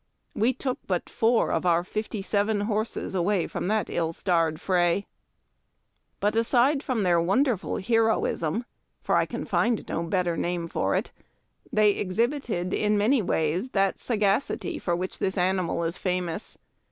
We took but four of our fifty seven horses from that ill starred fray. But, aside from their wonderful heroism, — for I can find no better name for it, — they exhibited in many ways that sagac ity for which the animal is famous.